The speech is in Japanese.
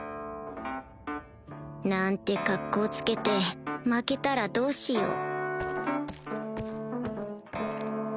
なんてカッコつけて負けたらどうしよう